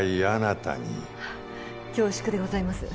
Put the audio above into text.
あっ恐縮でございます。